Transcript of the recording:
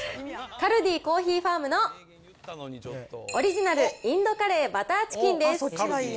カルディコーヒーファームの、オリジナルインドカレーバターチキンです。